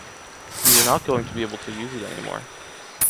You were not going to be able to use it anymore.